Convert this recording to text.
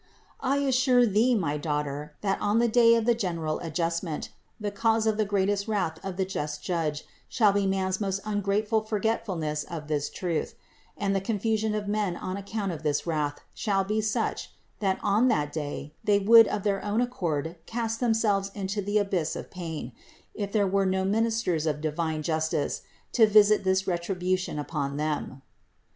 I assure thee, my daughter, that on the day of the general adjustment, the cause of the greatest wrath of the just Judge shall be man's most ungrateful forgetfulness of this truth ; and the confusion of men on account of this wrath shall be such, that on that day they would of their own accord cast themselves into the abyss of pain, if there were no ministers of divine justice to visit this retribution upon them.